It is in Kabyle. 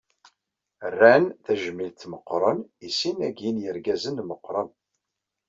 Rran tajmilt meqqren i sin-agi n yirgazen meqqren.